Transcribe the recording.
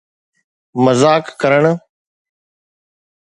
مذاق ڪرڻ